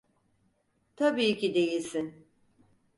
Tabii ki değilsin.